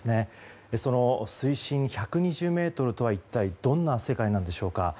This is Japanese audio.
その水深１２０ｍとは一体どんな世界なんでしょうか。